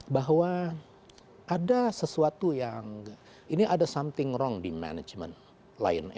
bahwa ada sesuatu yang ini ada something wrong di management lion air